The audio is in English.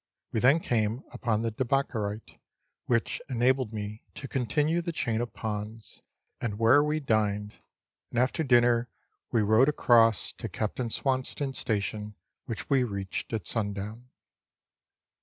We then came upon the Debackarite, which enabled me to continue the chain of ponds, and where we 294 Letters from Victorian Pioneers. dined ; and after dinner we rode across to Captain Swanston's station, which we reached at sundown.